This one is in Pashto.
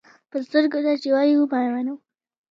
پۀ سترګو، تۀ چې وایې وبۀ یې منم.